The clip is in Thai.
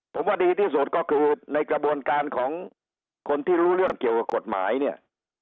ผมว่าดีที่สุดก็คือในกระบวนการของคนที่รู้เรื่องเกี่ยวกับกฎหมายเนี่ย